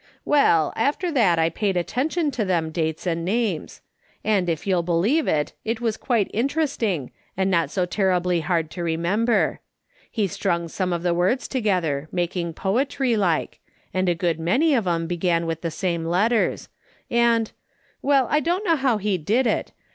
" Well, after that I paid attention to them dates and names; and, if you'll believe it, it was quite interesting and not so terribly hard to remember. He strung some of the words together making poetry like, and a good many of 'em began with the same letters ; and — well, I don't know how he did it.